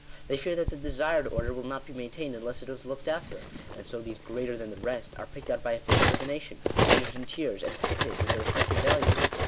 They fear that the desired " order" will not be maintained unless it is looked after ; and so these " greater than the rest" are picked out by official divination ; ranged in tiers ; and ticketed with their respective values.